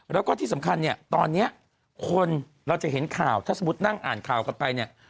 แล้วก็ที่สำคัญเนี่ยตอนนี้คนเราจะเห็นข่าวถ้าสมมุตินั่งอ่านข่าวกันไปเนี่ย